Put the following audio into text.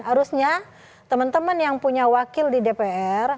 harusnya teman teman yang punya wakil di dpr